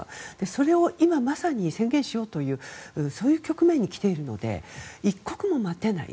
それを今まさに宣言しようというそういう局面に来ているので一刻も待てない。